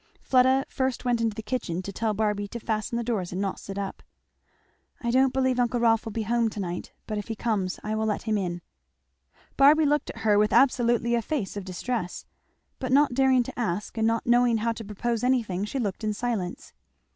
Fleda first went into the kitchen to tell Barby to fasten the doors and not sit up. "I don't believe uncle Rolf will be home to night; but if he comes I will let him in." Barby looked at her with absolutely a face of distress; but not daring to ask and not knowing how to propose anything, she looked in silence.